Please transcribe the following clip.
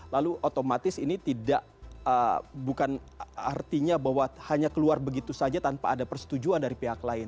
lalu otomatis ini tidak bukan artinya bahwa hanya keluar begitu saja tanpa ada persetujuan dari pihak lain